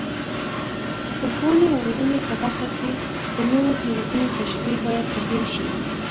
د ښوونې او روزنې په برخه کې د نورو هیوادونو تجربې باید تحلیل شي.